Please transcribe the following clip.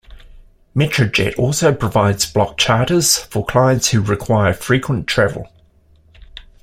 Metrojet also provides block charters for clients who require frequent travel.